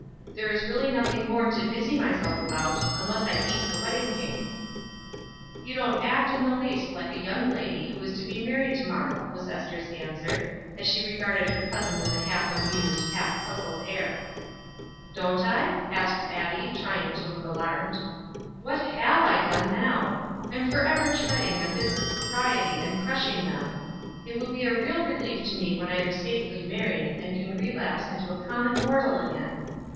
There is really nothing more to busy myself about, unless I eat the wedding cake." "You don't act in the least like a young lady who is to be married to morrow," was Ester's answer, as she regarded her cousin with a half amused, half puzzled air. "Don't I?" said Abbie, trying to look alarmed. "What have I done now? I'm forever treading on bits of propriety, and crushing them. It will be a real relief to me when I am safely married, and can relapse into a common mortal again.